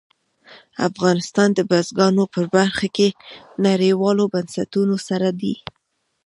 افغانستان د بزګانو په برخه کې نړیوالو بنسټونو سره دی.